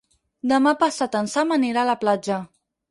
Demà passat en Sam anirà a la platja.